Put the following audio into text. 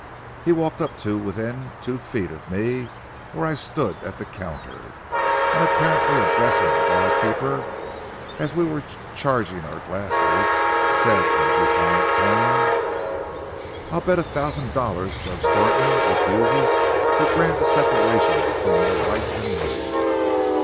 He walked up to within two feet of me where I stood at the counter, and apparently addressing the barkeeper, as we were charging our glasses, said in a defiant tone:— "I'll bet a thousand dollars Judge Thornton refuses to grant a separation between my wife and me."